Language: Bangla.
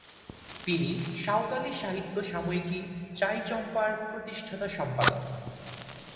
তিনি সাঁওতালি সাহিত্য সাময়িকী "চাই চম্পা" র প্রতিষ্ঠাতা সম্পাদক।